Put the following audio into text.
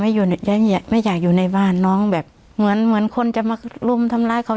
ไม่อยากอยู่ในบ้านน้องแบบเหมือนเหมือนคนจะมารุมทำร้ายเขา